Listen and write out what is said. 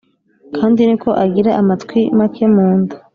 kandi ni ko agira amatwi make munda